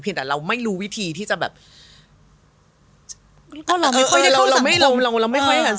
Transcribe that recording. เพียงแต่เราไม่รู้วิธีที่จะแบบเราไม่ค่อยได้เข้าสังคม